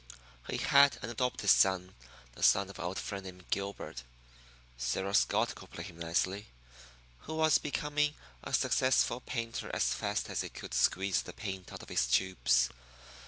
He had an adopted son, the son of an old friend named Gilbert Cyril Scott could play him nicely who was becoming a successful painter as fast as he could squeeze the paint out of his tubes.